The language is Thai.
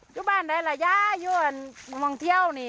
ช่วยบ้านไหนล่ะย้ายช่วยบ้านมองเที่ยวนี่